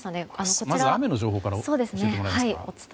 まず雨の情報から教えてもらえますか。